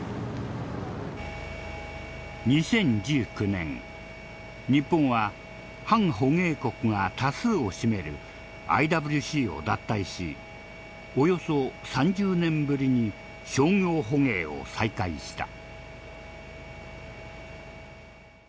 ２０１９年日本は反捕鯨国が多数を占めるＩＷＣを脱退しおよそ３０年ぶりに商業捕鯨を再開した。